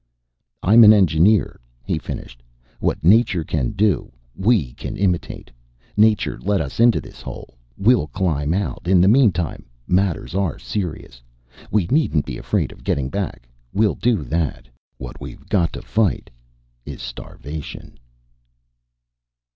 "I'm an engineer," he finished. "What nature can do, we can imitate. Nature let us into this hole. We'll climb out. In the mean time, matters are serious. We needn't be afraid of not getting back. We'll do that. What we've got to fight is starvation!"